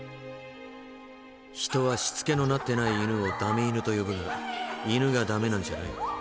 人はしつけのなってない犬を「ダメ犬」と呼ぶが犬がダメなんじゃない。